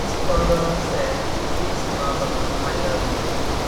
His father said to his mother I love you.